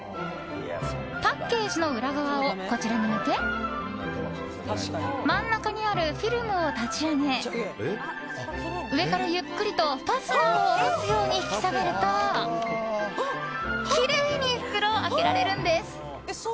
パッケージの裏側をこちらに向け真ん中にあるフィルムを立ち上げ上からゆっくりとファスナーを下ろすように引き下げるときれいに袋を開けられるんです。